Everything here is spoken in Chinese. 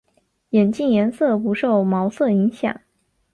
眼镜颜色不受毛色影响。